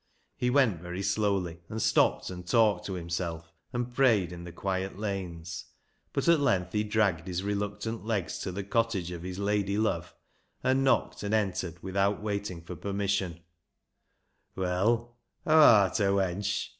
He went very slowly, and stopped and talked to himself and prayed in the quiet lanes, but at length he dragged his reluctant legs to the cottage of his lady love, and knocked and entered without waiting for permission —" Well, haa arta, wench?